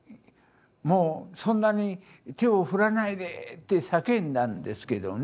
もうそんなに手を振らないでって叫んだんですけどね。